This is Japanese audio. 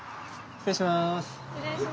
失礼します。